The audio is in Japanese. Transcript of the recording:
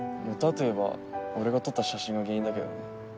本はといえば俺が撮った写真が原因だけどね。